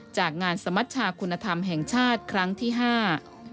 จากงานสมัชชาคุณธรรมแห่งชาติครั้งที่ห้า